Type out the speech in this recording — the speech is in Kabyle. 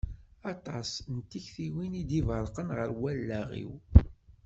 Aṭas n tiktiwin i d-iberrqen ɣer wallaɣ-iw.